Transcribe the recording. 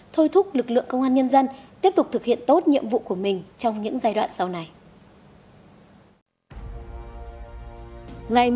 thôi thúc lực lượng công an nhân dân tiếp tục thực hiện tốt nhiệm vụ của mình trong những giai đoạn sau này